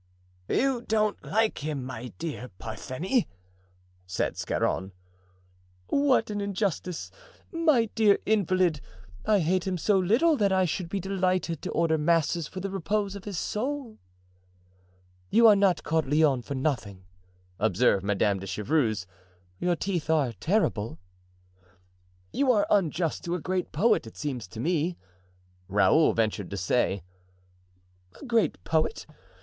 "You don't like him, my dear Parthenie," said Scarron. "What an injustice, my dear invalid! I hate him so little that I should be delighted to order masses for the repose of his soul." "You are not called 'Lionne' for nothing," observed Madame de Chevreuse, "your teeth are terrible." "You are unjust to a great poet, it seems to me," Raoul ventured to say. "A great poet!